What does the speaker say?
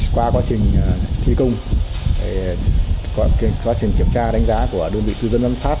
qua quá trình thi công quá trình kiểm tra đánh giá của đơn vị tư dân giám sát